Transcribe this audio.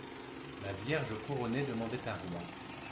La Vierge couronnée demandait un roi.